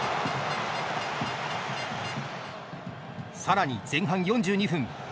さらに前半４２分。